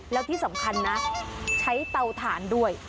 แล้วที่สำคัญนะใช้เตาถ่านด้วย